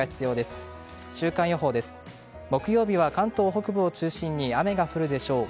木曜日は関東北部を中心に雨が降るでしょう。